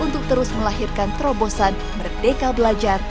untuk terus melahirkan terobosan merdeka belajar